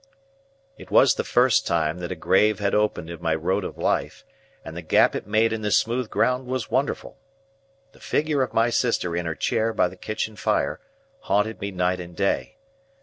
It was the first time that a grave had opened in my road of life, and the gap it made in the smooth ground was wonderful. The figure of my sister in her chair by the kitchen fire, haunted me night and day.